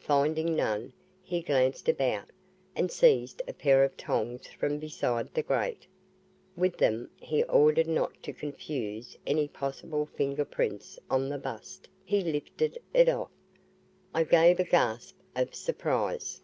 Finding none, he glanced about, and seized a pair of tongs from beside the grate. With them, in order not to confuse any possible finger prints on the bust, he lifted it off. I gave a gasp of surprise.